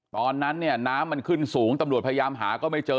ตอนนั้นเนี่ยน้ำมันขึ้นสูงตำรวจพยายามหาก็ไม่เจอ